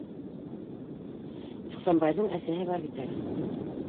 Ихсанбайҙың әсәһе бар бит әле!